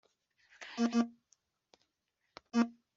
kandi rimurikira uruhande rw'imbere rw'ikinyabiziga.